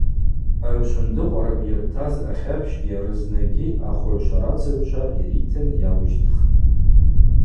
Агӏвшвындыкъваракӏ йыртаз ахьапщгьи арызнагьи ахвыгӏв шварацыгӏвчва йритын йауищтхтӏ.